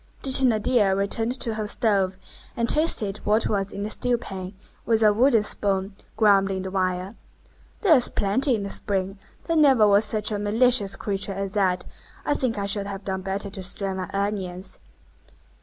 The Thénardier returned to her stove, and tasted what was in the stewpan, with a wooden spoon, grumbling the while:— "There's plenty in the spring. There never was such a malicious creature as that. I think I should have done better to strain my onions."